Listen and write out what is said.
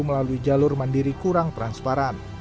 melalui jalur mandiri kurang transparan